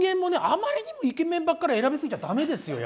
あまりにもイケメンばっかり選び過ぎちゃ駄目ですよ